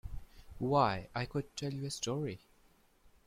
Why, I could tell you a story.